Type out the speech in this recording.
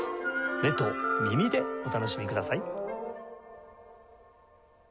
目と耳でお楽しみください。